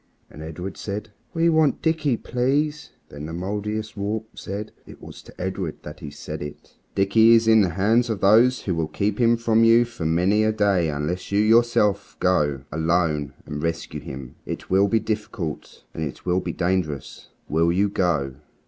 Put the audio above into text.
And Edred said, "We want Dickie, please." Then the Mouldiestwarp said, and it was to Edred that he said it "Dickie is in the hands of those who will keep him from you for many a day unless you yourself go, alone, and rescue him. It will be difficult, and it will be dangerous. Will you go?"